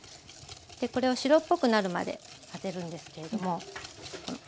でこれを白っぽくなるまで混ぜるんですけれども。